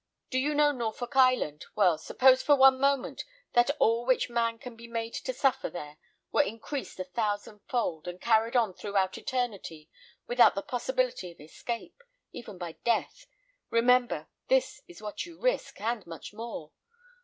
"Do you know Norfolk Island? Well, suppose for one moment, that all which man can be made to suffer there were increased a thousand fold, and carried on throughout eternity without the possibility of escape, even by death remember, this is what you risk, and much more."